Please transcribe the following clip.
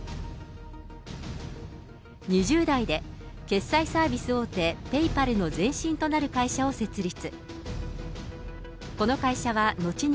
２０代で決済サービス大手、Ｐａｙｐａｌの前身となる会社を設立。